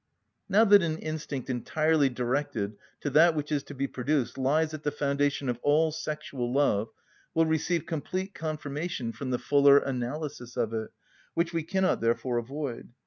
Now that an instinct entirely directed to that which is to be produced lies at the foundation of all sexual love will receive complete confirmation from the fuller analysis of it, which we cannot therefore avoid.